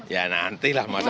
ya nantilah mas